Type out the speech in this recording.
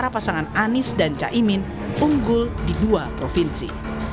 pasangan anies dan caimin unggul di dua provinsi